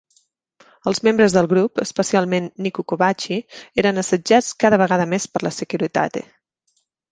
Els membres del grup, especialment Nicu Covaci, eren assetjats cada vegada més per la Securitate.